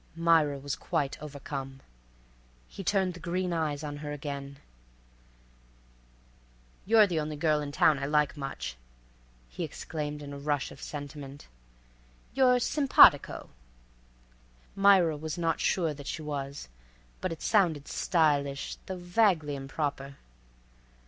Myra was quite overcome. He turned the green eyes on her again. "You're the only girl in town I like much," he exclaimed in a rush of sentiment. "You're simpatico." Myra was not sure that she was, but it sounded stylish though vaguely improper.